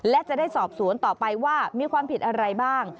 และจะได้สอบสวนต่อไปว่ามีความผิดอะไรบ้าง